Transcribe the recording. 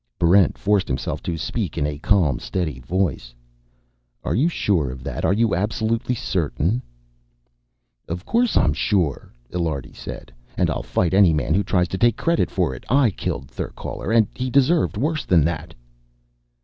Barrent forced himself to speak in a calm, steady voice. "Are you sure of that? Are you absolutely certain?" "Of course I'm sure," Illiardi said. "And I'll fight any man who tries to take credit for it. I killed Therkaler, and he deserved worse than that."